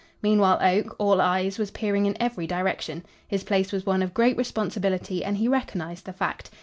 Meanwhile, Oak, all eyes, was peering in every direction. His place was one of great responsibility, and he recognized the fact.